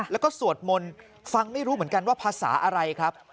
แล้วก็สวดมนต์ฟังไม่รู้เหมือนกันว่าภาษาอะไรครับ